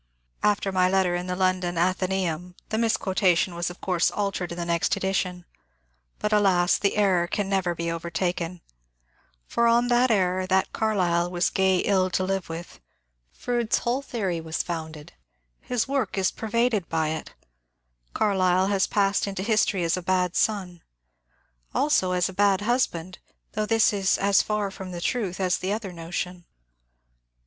After my letter in the London ^* Atheneum " the mis quotation was of course altered in the next edition, but alas, the error can never be overtaken. For on that error, that Carlyle was ^^ gay ill to live with," Fronde's whole theory was founded ; his work is pervaded by it. Carlyle has passed into history as a bad son. Also as a bad husband, though this is as far from the truth as the other notion.